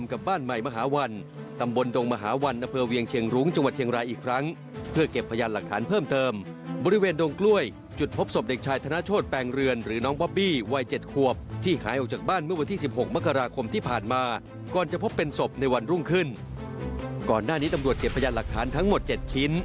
ก่อนหน้านี้ตำรวจเก็บพยานหลักฐานทั้งหมด๗ชิ้น